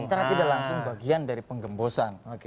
secara tidak langsung bagian dari penggembosan